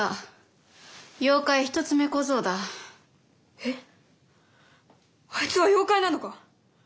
えっあいつは妖怪なのか？